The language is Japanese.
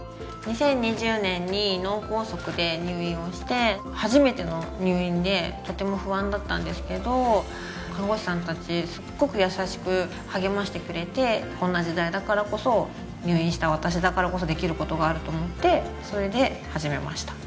２０２０年に脳梗塞で入院をして初めての入院でとても不安だったんですけど看護師さん達すっごく優しく励ましてくれてこんな時代だからこそ入院した私だからこそできることがあると思ってそれで始めました